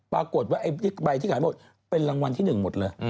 ปรากฏว่าไอ้ใบที่ขายหมดเป็นรางวัลที่๑หมดเลย